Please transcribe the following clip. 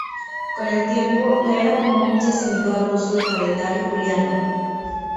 Con el tiempo, la era común se asimiló al uso del calendario juliano.